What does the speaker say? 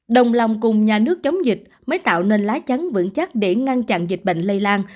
đồng lòng cùng nhà nước chống dịch mới tạo nên lá chắn vững chắc để ngăn chặn dịch bệnh lây lan